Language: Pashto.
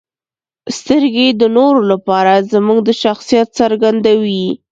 • سترګې د نورو لپاره زموږ د شخصیت څرګندوي.